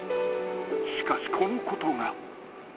［しかしこのことが］